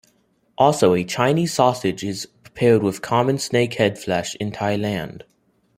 Also, a Chinese sausage is prepared with common snakehead flesh in Thailand.